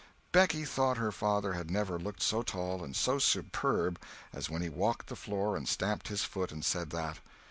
Becky thought her father had never looked so tall and so superb as when he walked the floor and stamped his foot and said that.